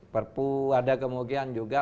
perpu ada kemungkinan juga